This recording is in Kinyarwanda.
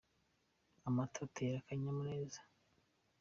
Amata atera akanyamuneza.